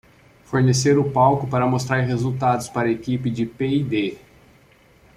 Fornecer o palco para mostrar resultados para a equipe de P & D